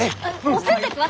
お洗濯は？